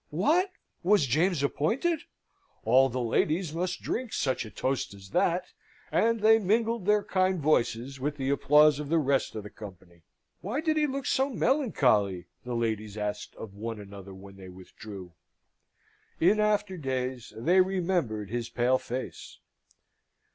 What? was James appointed? All the ladies must drink such a toast as that, and they mingled their kind voices with the applause of the rest of the company. Why did he look so melancholy? the ladies asked of one another when they withdrew. In after days they remembered his pale face.